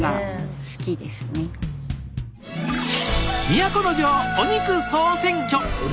都城お肉総選挙